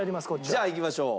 じゃあいきましょう。